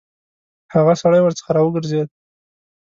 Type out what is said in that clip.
هغه سړی ورڅخه راوګرځېد.